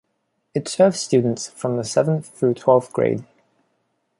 It serves students from the seventh- through twelfth-grade.